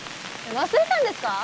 忘れたんですか？